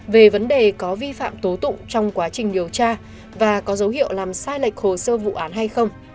về vấn đề có vi phạm tố tụng trong quá trình điều tra và có dấu hiệu làm sai lệch hồ sơ vụ án hay không